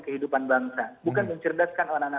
kehidupan bangsa bukan mencerdaskan orang anak